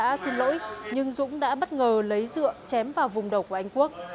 dũng đã xin lỗi nhưng dũng đã bất ngờ lấy dựa chém vào vùng đầu của anh quốc